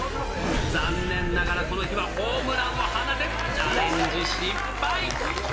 残念ながら、この日はホームランを放てず、チャレンジ失敗。